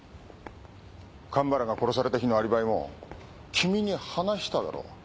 神原が殺された日のアリバイも君に話しただろ？